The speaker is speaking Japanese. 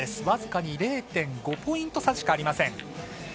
僅かに０．５ポイント差しかありません。